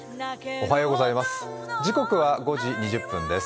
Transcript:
おはようございます。